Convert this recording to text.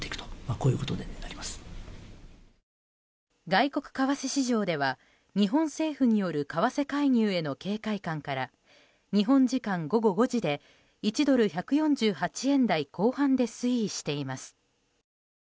外国為替市場では日本政府による為替介入への警戒感から日本時間午後５時で１ドル＝１４８円台後半で推移しています。